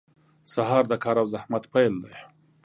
• سهار د کار او زحمت پیل دی.